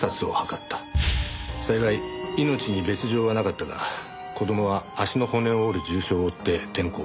幸い命に別条はなかったが子供は足の骨を折る重傷を負って転校。